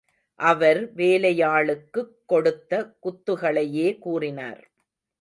அவர் வேலையாளுக்குக் கொடுத்த குத்துகளையே கூறினார்.